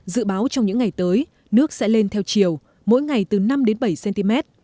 dự báo trong những ngày tới nước sẽ lên theo chiều mỗi ngày từ năm đến bảy cm